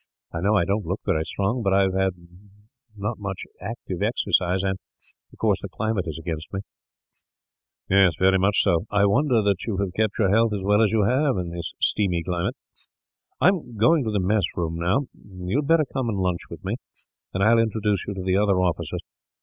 I know I don't look very strong, but I have not had much active exercise and, of course, the climate is against me." "Very much so. I wonder that you have kept your health as well as you have, in this steamy climate. "I am going to the mess room, now. You had better come and lunch with me, and I will introduce you to the other officers.